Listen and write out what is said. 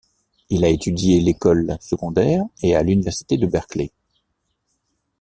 Il a étudié l'école secondaire et à l'Université de Berkeley.